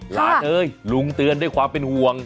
หลานเอ้ยลุงเตือนได้ความเป็นห่วง